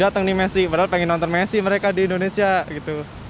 dateng nih messi padahal pengen nonton messi mereka di indonesia gitu